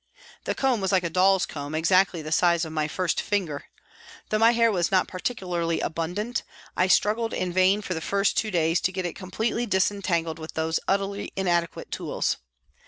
The comb was like a doll's comb, exactly the size of my first finger. Though my hair was not par ticularly abundant, I struggled in vain for the first two days to get it completely disentangled with these utterly inadequate tools.